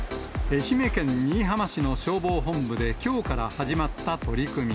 愛媛県新居浜市の消防本部できょうから始まった取り組み。